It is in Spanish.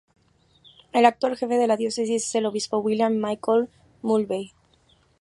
El actual jefe de la Diócesis es el Obispo William Michael Mulvey.